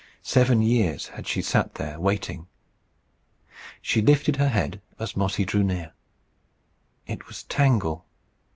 Seven years had she sat there waiting. She lifted her head as Mossy drew near. It was Tangle.